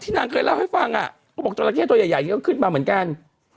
นางเคยเล่าให้ฟังอ่ะเขาบอกจราเข้ตัวใหญ่ก็ขึ้นมาเหมือนกัน